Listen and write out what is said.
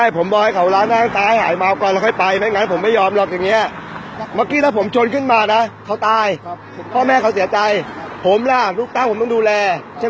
พอเกิดครอบครั้งมือจุดที่เกิดการที่รุ่นไล่ก่อน